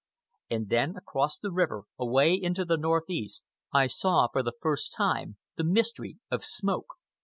And then, across the river, away into the northeast, I saw for the first time the mystery of smoke.